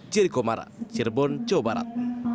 jeriko mara cirebon jawa barat